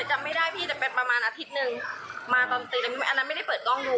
จำไม่ได้พี่จะไปประมาณอาทิตย์หนึ่งมาตอนตีอันนั้นไม่ได้เปิดกล้องดู